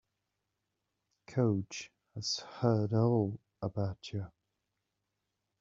Coach has heard all about you.